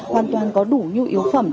hoàn toàn có đủ nhu yếu phẩm